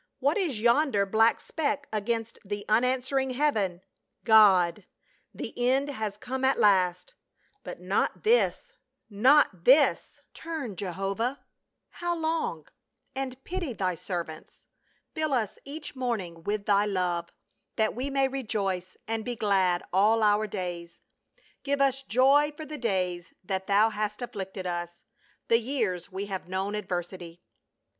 What is yonder black speck against the unan swering heaven ? God ! the end has come at last : but not this — not this ! 5 i PA UL. " Turn, Jehovah !— How long ?— And pity thy servants. Fill us each morning with thy love That we may rejoice and be glad all our days. Give us joy for the days that thou hast afflicted us, The years we have known adversity."